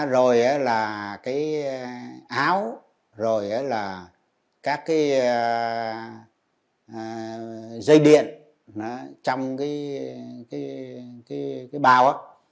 rồi là áo rồi là các cái dây điện trong cái bào